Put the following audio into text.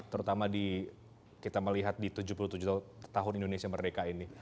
terutama di kita melihat di tujuh puluh tujuh tahun indonesia merdeka ini